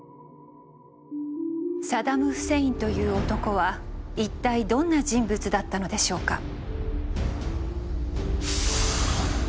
サダム・フセインという男は一体どんな人物だったのでしょうか？